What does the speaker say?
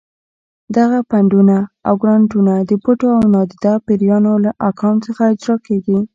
دغه فنډونه او ګرانټونه د پټو او نادیده پیریانو له اکاونټ څخه اجرا کېږي.